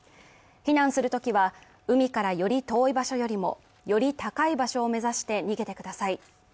避難するときは、海からより遠い場所よりもより高い場所を目指して逃げてください。